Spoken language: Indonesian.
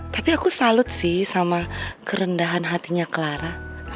tapi aku salut sih sama kerendahan hatinya clara